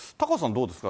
どうですか？